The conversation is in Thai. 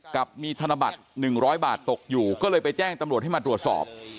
กับมีธนบัตร๑๐๐บาทตกอยู่ก็เลยไปแจ้งตำรวจให้มาตรวจสอบ